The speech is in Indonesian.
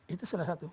itu salah satu